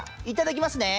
いただきます。